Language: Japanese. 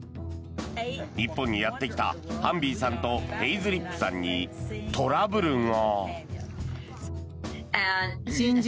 日本にやってきたハンビーさんとヘイズリップさんにトラブルが。